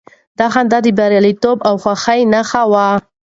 دا خندا د برياليتوب او خوښۍ نښه وه.